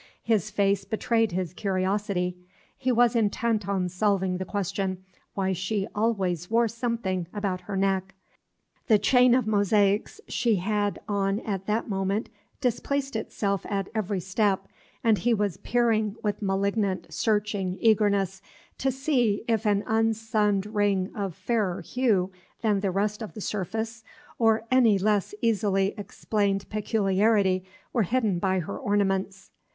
His face betrayed his curiosity; he was intent on solving the question, why she always wore something about her neck. The chain of mosaics she had on at that moment displaced itself at every step, and he was peering with malignant, searching eagerness to see if an unsunned ring of fairer hue than the rest of the surface, or any less easily explained peculiarity, were hidden by her ornaments.